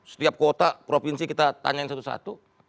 setiap kota provinsi kita tanyain satu satu